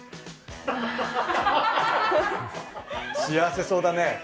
幸せそうだね。